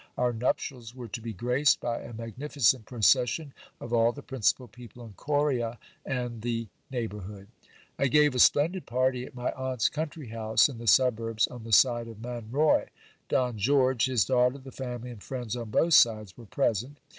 Our nuptials were to be graced by a magnificent procession of all the principal people in Coria and the neighbourhood. I gave a splendid party at my aunt's country house, in the suburbs on the side of Manroi. Don George, his daughter, the family, and friends on both sices were present.